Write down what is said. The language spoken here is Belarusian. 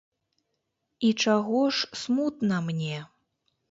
І чаго ж смутна мне?